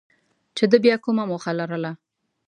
چې ده بیا کومه موخه لرله.